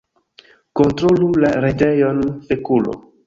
Kontrolu la retejon, fekulo